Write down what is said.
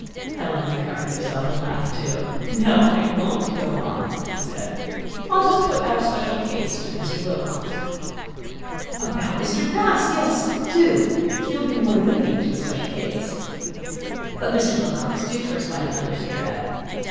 Helen recovered herself and laughed too. "No, I won't go on," she declared. "I'll just put our special case to Mr. Wilcox." "About Mr. Bast? Yes, do. He'll be more lenient to a special case. "But, Mr. Wilcox, do first light another cigarette.